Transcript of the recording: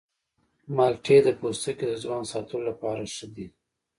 مالټې د پوستکي د ځوان ساتلو لپاره ښه دي.